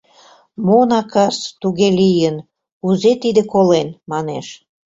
Мо, накас, туге лийын, кузе тиде колен? — манеш.